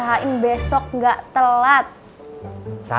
jangan protes kalo gaji kamu telat juga